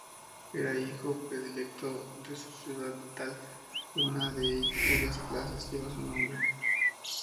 Era hijo predilecto de su ciudad natal, una de cuyas plazas lleva su nombre.